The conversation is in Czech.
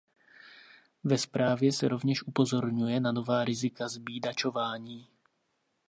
Ve zprávě se rovněž upozorňuje na nová rizika zbídačování.